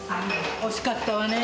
惜しかったわねー。